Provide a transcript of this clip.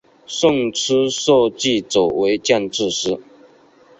胜出设计者为建筑师。